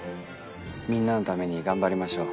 みんなのために頑張りましょう。